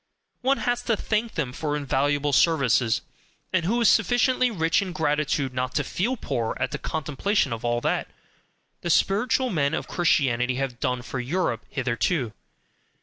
One has to thank them for invaluable services; and who is sufficiently rich in gratitude not to feel poor at the contemplation of all that the "spiritual men" of Christianity have done for Europe hitherto!